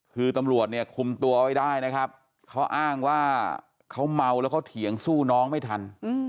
คือตำรวจเนี่ยคุมตัวไว้ได้นะครับเขาอ้างว่าเขาเมาแล้วเขาเถียงสู้น้องไม่ทัน